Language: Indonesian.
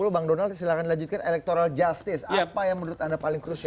bang donald silahkan dilanjutkan electoral justice apa yang menurut anda paling krusial